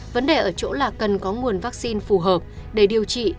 vấn đề ở chỗ là cần có nguồn vaccine phù hợp để điều trị